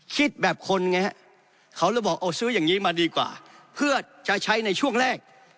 คิดแบบคนไงฮะเขาเลยบอกเอาซื้ออย่างนี้มาดีกว่าเพื่อจะใช้ในช่วงแรก